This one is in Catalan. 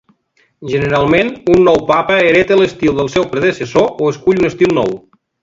Generalment, un nou papa hereta l'estil del seu predecessor o escull un estil nou.